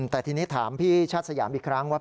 แต่ทีนี้ถามพี่ชาติสยามอีกครั้งว่า